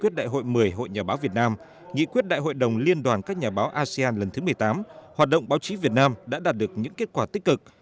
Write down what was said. nghị hội nhà báo việt nam nghị quyết đại hội đồng liên đoàn các nhà báo asean lần thứ một mươi tám hoạt động báo chí việt nam đã đạt được những kết quả tích cực